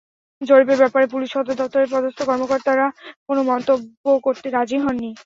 জরিপের ব্যাপারে পুলিশ সদর দপ্তরের পদস্থ কর্মকর্তারা কোনো মন্তব্য করতে রাজি হননি।